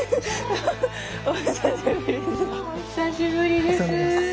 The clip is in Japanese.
どうもお久しぶりです。